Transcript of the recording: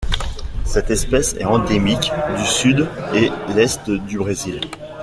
Cette espèce est endémique du Sud et l'Est du Brésil.